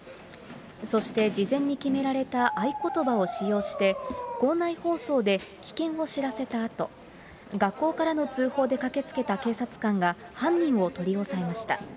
そして事前に決められた合言葉を使用して、校内放送で危険を知らせたあと、学校からの通報で駆けつけた警察官が、犯人を取り押さえました。